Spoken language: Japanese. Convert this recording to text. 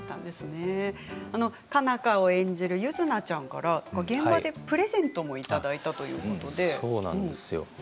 佳奈花を演じる柚凪ちゃんからプレゼントもいただいたということで。